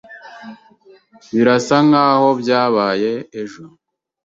Birasa nkaho byabaye ejo.